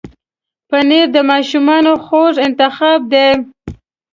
پنېر د ماشومانو خوږ انتخاب دی.